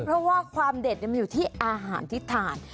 เพราะว่าความเด็ดมันอยู่ที่อาหารที่ทาน